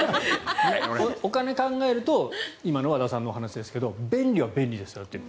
お金を考えると今の和田さんの話ですが便利は便利ですよって。